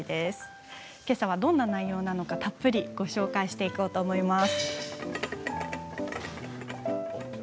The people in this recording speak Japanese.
けさはどんな内容なのかたっぷりご紹介していこうと思います。